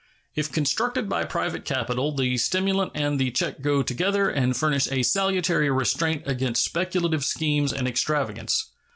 If constructed by private capital the stimulant and the check go together and furnish a salutary restraint against speculative schemes and extravagance.